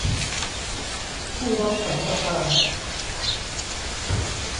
ผู้รับสัมปทาน